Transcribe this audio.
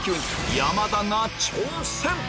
山田が挑戦！